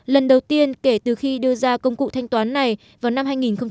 lần đầu tiên kể từ khi đưa ra công cụ thanh toán này vào năm hai nghìn một mươi